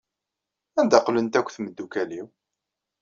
Anda qqlent akk temdukal-iw?